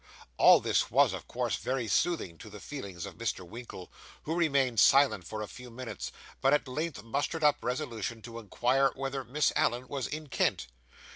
All this was, of course, very soothing to the feelings of Mr. Winkle, who remained silent for a few minutes; but at length mustered up resolution to inquire whether Miss Allen was in Kent.